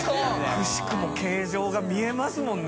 くしくも形状が見えますもんね。